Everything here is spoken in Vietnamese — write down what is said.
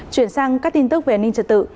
chuyển sang các tin tức về an ninh trật tự